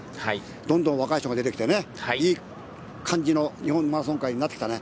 どんどん若い人が出てきていい感じの日本マラソン界になってきたね。